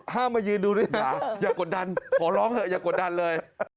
ห้ามมายืนดูนะครับอย่ากดดันขอร้องเถอะอย่ากดดันเลย